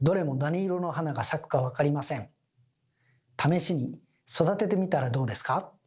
試しに育ててみたらどうですか？